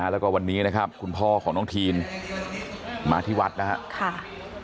แล้วก็วันนี้นะครับคุณพ่อของน้องทีนมาที่วัดนะครับ